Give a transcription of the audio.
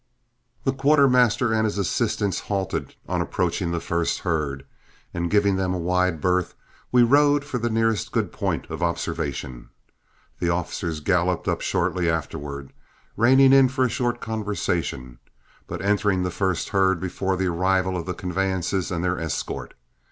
The quartermaster and his assistants halted on approaching the first herd, and giving them a wide berth, we rode for the nearest good point of observation. The officers galloped up shortly afterward, reining in for a short conversation, but entering the first herd before the arrival of the conveyances and their escort.